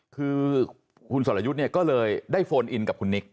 คุณสลายุทธ์ก็เลยได้โฟนอินกับคุณนิก